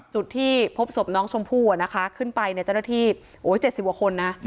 จุดที่พบศพน้องชมพู่อ่ะนะคะขึ้นไปในเจ้าหน้าที่๗๐ว่าคนนะ